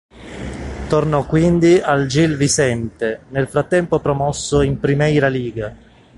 Tornò quindi al Gil Vicente, nel frattempo promosso in Primeira Liga.